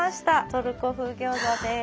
トルコ風餃子です。